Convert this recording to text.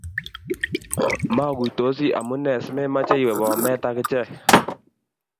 Maguitosi amunee simemache iwe Bomet akichek